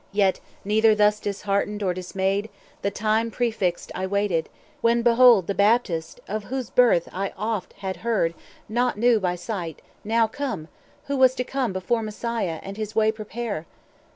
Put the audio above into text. Yet, neither thus disheartened or dismayed, The time prefixed I waited; when behold The Baptist (of whose birth I oft had heard, 270 Not knew by sight) now come, who was to come Before Messiah, and his way prepare!